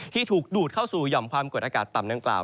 ที่ถูกดูดเข้าสู่หย่อมความกดอากาศต่ำดังกล่าว